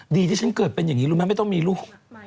ดีที่ฉันเกิดเป็นอย่างนี้รู้ไหมไม่ต้องมีลูก